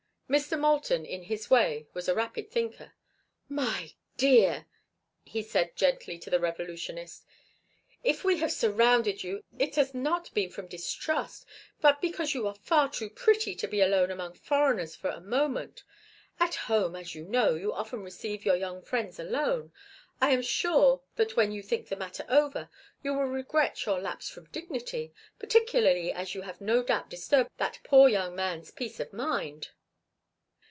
Mr. Moulton, in his way, was a rapid thinker. "My dear," he said, gently, to the revolutionist, "if we have surrounded you it has not been from distrust, but because you are far too pretty to be alone among foreigners for a moment. At home, as you know, you often receive your young friends alone. I am sure that when you think the matter over you will regret your lapse from dignity, particularly as you have no doubt disturbed that poor young man's peace of mind."